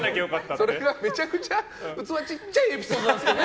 それはめちゃくちゃ器ちっちゃいエピソードなんですけどね。